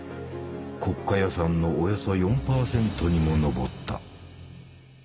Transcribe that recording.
国家予算のおよそ４％にも上った。